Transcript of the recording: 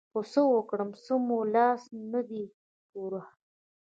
خو څه وکړو څه مو له لاسه نه دي پوره.